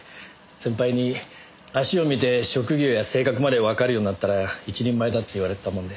先輩に足を見て職業や性格までわかるようになったら一人前だって言われてたもんで。